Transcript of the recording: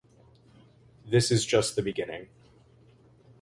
This is just the beginning.